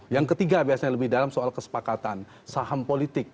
yang ketiga biasanya lebih dalam soal kesepakatan saham politik